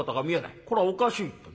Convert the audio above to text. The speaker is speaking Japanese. これはおかしいと。